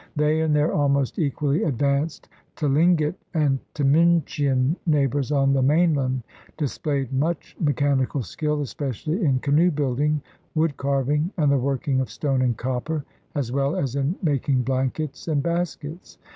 They and their almost equally advanced Tlingit and Tsimshian neighbors on the mainland displayed much me chanical skill, especially in canoe building, wood carving, and the working of stone and copper, as well as in making blankets and baskets.